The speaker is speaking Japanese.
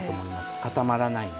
固まらないんで。